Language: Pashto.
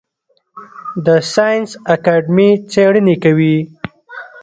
د ساینس اکاډمي څیړنې کوي